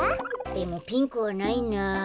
でもピンクはないな。